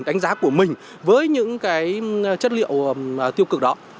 đánh giá của mình với những cái chất liệu tiêu cực đó